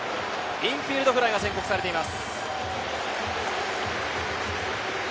インフィールドフライが宣告されています。